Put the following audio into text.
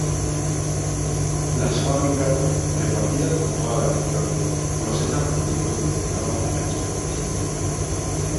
Las fábricas, repartidas por toda la región, procesan productos destinados a la exportación.